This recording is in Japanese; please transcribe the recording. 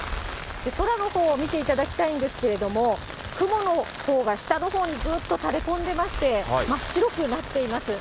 空のほう見ていただきたいんですけれども、雲のほうが下のほうに、ぐっと垂れ込んでいまして、真っ白くなっています。